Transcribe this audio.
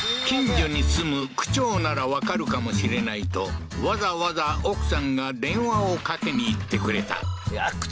近所に住む区長ならわかるかもしれないとわざわざ奥さんが電話をかけにいってくれたいやー